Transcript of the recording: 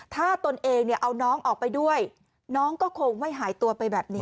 ถ้าตนเองเอาน้องออกไปด้วยน้องก็คงไม่หายตัวไปแบบนี้